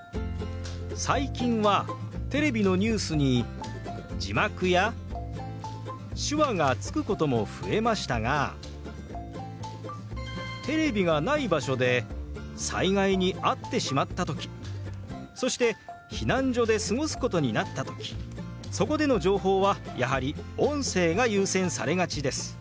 最近はテレビのニュースに字幕や手話がつくことも増えましたがテレビがない場所で災害に遭ってしまった時そして避難所で過ごすことになった時そこでの情報はやはり音声が優先されがちです。